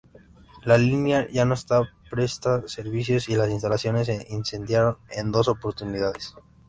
La línea ya no presta servicios y las instalaciones se incendiaron en dos oportunidades.